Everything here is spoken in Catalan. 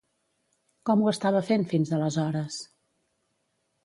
Com ho estava fent, fins aleshores?